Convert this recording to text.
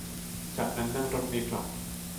จากนั้นนั่งรถเมล์กลับ